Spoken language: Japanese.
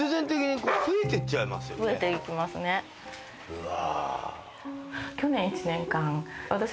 うわ。